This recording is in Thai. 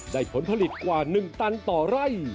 ผลผลิตกว่า๑ตันต่อไร่